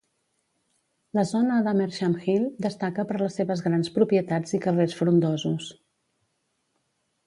La zona d'Amersham Hill destaca per les seves grans propietats i carrers frondosos.